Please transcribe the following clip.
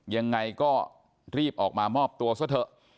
ยังไงก็รีบออกมามอบตัวซะเถอะ